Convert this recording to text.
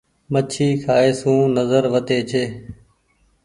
مڇي کآئي سون نزر وڌي ڇي۔